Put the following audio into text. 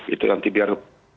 itu nanti biar